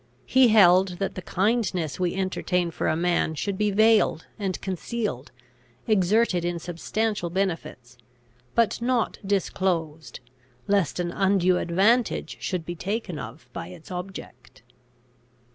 He held that the kindness we entertain for a man should be veiled and concealed, exerted in substantial benefits, but not disclosed, lest an undue advantage should be taken of it by its object.